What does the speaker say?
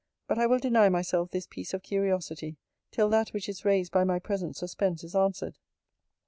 But I will deny myself this piece of curiosity till that which is raised by my present suspense is answered.